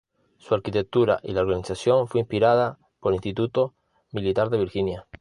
Su arquitectura y la organización fue inspirada por el Instituto Militar de Virginia.